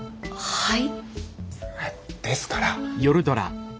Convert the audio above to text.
はい。